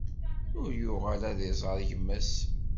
Ur yuɣal ad iẓer gma-s.